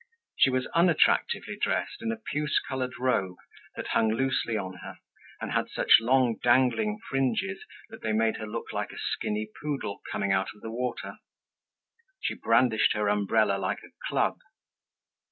She was unattractively dressed in a puce colored robe that hung loosely on her and had such long dangling fringes that they made her look like a skinny poodle coming out of the water. She brandished her umbrella like a club.